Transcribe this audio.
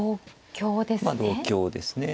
同香ですね。